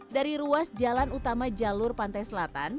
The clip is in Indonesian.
dari ruas jalan utama jalur pantai selatan